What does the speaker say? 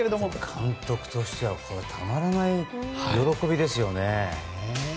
監督としてはたまらない喜びですよね。